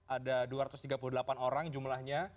ada dua ratus tiga puluh delapan orang jumlahnya